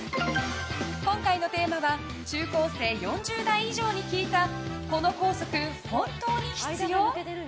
今回のテーマは中高生、４０代以上に聞いたこの校則、本当に必要？